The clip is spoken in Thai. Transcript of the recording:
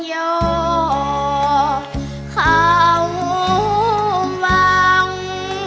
ยอดเข้าสูงขอต่าง